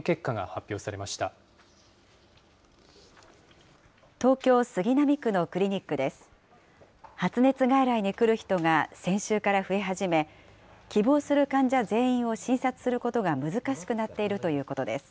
発熱外来に来る人が先週から増え始め、希望する患者全員を診察することが難しくなっているということです。